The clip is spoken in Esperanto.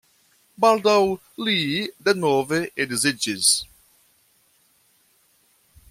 Baldaŭ li denove edziĝis.